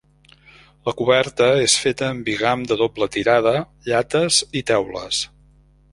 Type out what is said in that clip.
La coberta és feta amb bigam de doble tirada, llates i teules.